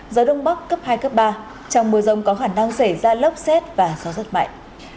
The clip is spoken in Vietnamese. gió đông bắc cấp hai cấp ba trong mưa rông có khả năng xảy ra lốc xét và gió rất mạnh